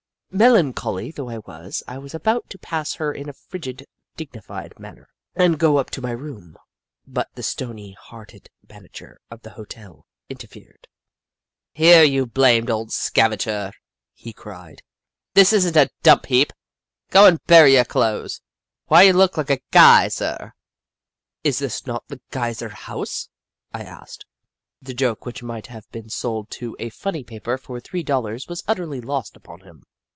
Melancholy though I was, I was about to pass her in a frigid, dignified manner, and go up to my room, but the stony hearted manager of the hotel interfered. " Here, you blamed old scavenger," he cried, " this is n't a dump heap. Go and bury your clothes ! Why you look like a guy, sir !"" Is not this the Geyser House ?" I asked. The joke, which might have been sold to a Snoof 75 funny paper for three dollars, was utterly lost upon him.